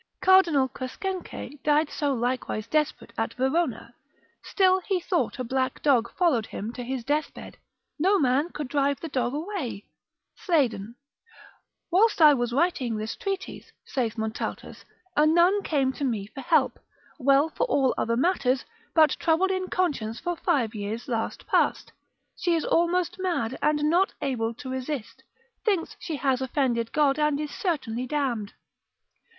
Cardinal Crescence died so likewise desperate at Verona, still he thought a black dog followed him to his death bed, no man could drive the dog away, Sleiden. com. 23. cap. lib. 3. Whilst I was writing this Treatise, saith Montaltus, cap. 2. de mel. A nun came to me for help, well for all other matters, but troubled in conscience for five years last past; she is almost mad, and not able to resist, thinks she hath offended God, and is certainly damned.